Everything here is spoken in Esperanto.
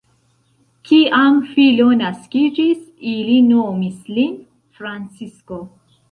Kiam filo naskiĝis, ili nomis lin Francisko.